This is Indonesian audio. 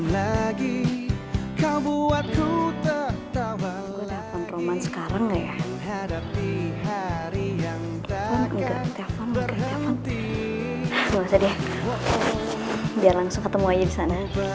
lagi kau buatku tetap lagi ada di hari yang tak akan berhenti biar langsung ketemu disana